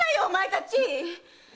お前たち！